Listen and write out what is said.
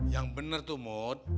yang bener tuh mut